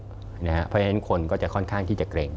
เพราะฉะนั้นคนก็จะค่อนข้างที่จะเกร็ง